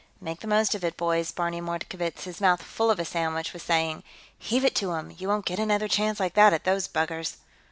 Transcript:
"Make the most of it, boys," Barney Mordkovitz, his mouth full of sandwich, was saying. "Heave it to them; you won't get another chance like that at those buggers."